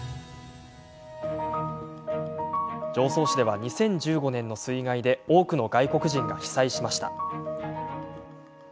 常総市では２０１５年の水害で多くの外国人が被災しました。